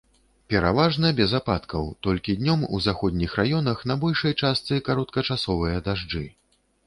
Пераважна без ападкаў, толькі днём у заходніх раёнах на большай частцы кароткачасовыя дажджы.